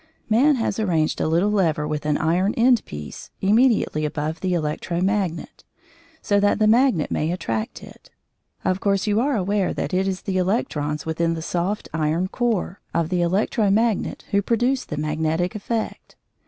Man has arranged a little lever with an iron end piece immediately above the electro magnet, so that the magnet may attract it. Of course you are aware that it is the electrons within the soft iron core of the electro magnet who produce the magnetic effect.